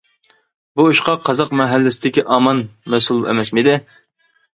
-بۇ ئىشقا قازاق مەھەللىسىدىكى ئامان مەسئۇل ئەمەسمىدى.